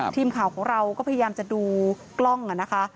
ทีมข่าวของเราก็พยายามจะดูกล้องนะคะ